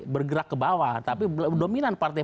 bergerak ke bawah tapi dominan partai